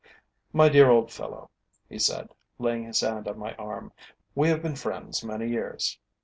"My dear old fellow," he said, laying his hand on my arm, "we have been friends many years.